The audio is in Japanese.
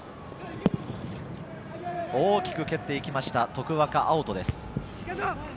大きく蹴って行きました、徳若碧都です。